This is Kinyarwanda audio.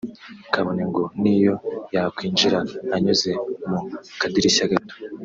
kabone ngo n’iyo yakwinjira anyuze mu kadirishya gato